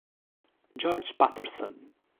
George Patterson